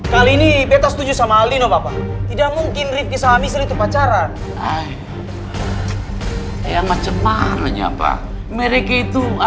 kau aja tampar gua